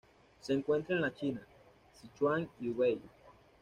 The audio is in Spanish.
Se encuentra en la China: Sichuan y Hubei.